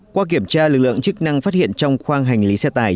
qua kiểm tra lực lượng chức năng phát hiện trong khoang hành lý xe tải